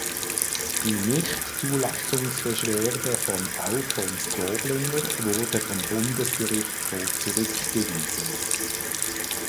Die Nichtzulassungsbeschwerde von Alfons Doblinger wurde vom Bundesgerichtshof zurückgewiesen.